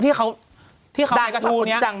ที่เขาที่เขาใส่กระทูนี้